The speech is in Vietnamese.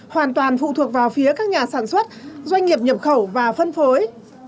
hoàn toàn phụ thuộc vào phía các nhà sản xuất doanh nghiệp nhập khẩu và phân phối